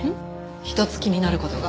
一つ気になる事が。